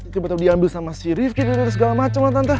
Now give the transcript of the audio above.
tiba tiba diambil sama si rifky dan segala macem lah tante